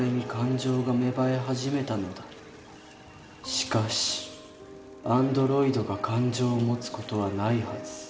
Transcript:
しかしアンドロイドが感情を持つ事はないはず。